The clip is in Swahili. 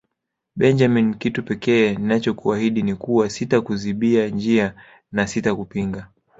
Benjamin kitu pekee ninachokuahidi ni kuwa sitakuzibia njia na sitakupinga